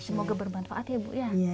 semoga bermanfaat ya bu ya